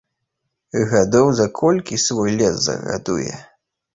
Гадоў за колькі свой лес загадуе.